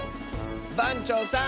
ばんちょうさん。